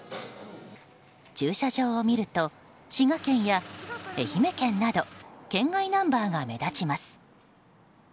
駐車場を見ると滋賀県や愛媛県など県外ナンバーが目立ちます。